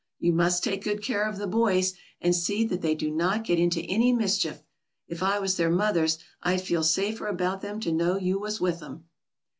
You must take good care of the boys, and see that they do not get into any mischief. If I was their mothers, I'd feel safer about them to know you was with 'em."